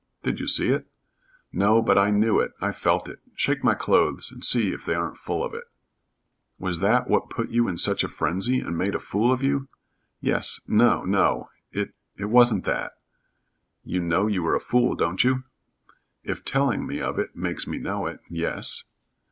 "Did you see it?" "No, but I knew it I felt it. Shake my clothes and see if they aren't full of it." "Was that what put you in such a frenzy and made a fool of you?" "Yes no no. It it wasn't that." "You know you were a fool, don't you?" "If telling me of it makes me know it yes."